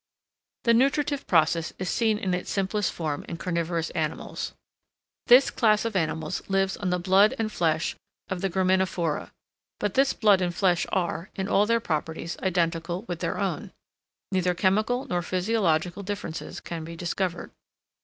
The nutritive process is seen in its simplest form in carnivorous animals. This class of animals lives on the blood and flesh of the graminivora; but this blood and flesh are, in all their properties, identical with their own. Neither chemical nor physiological differences can be discovered.